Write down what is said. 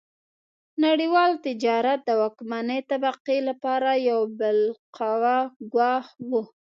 نړیوال تجارت د واکمنې طبقې لپاره یو بالقوه ګواښ و.